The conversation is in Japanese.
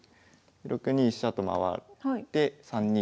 ６二飛車と回って３二と金。